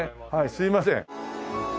すみません。